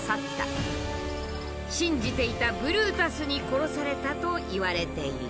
信じていたブルータスに殺されたといわれている。